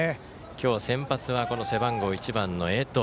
今日先発は背番号１番の江藤。